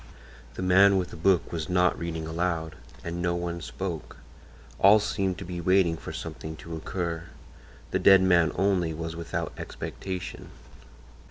The man with the book was not reading aloud, and no one spoke; all seemed to be waiting for something to occur; the dead man only was without expectation.